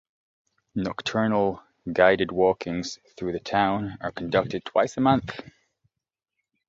Nocturnal guided walkings through the town are conducted twice a month.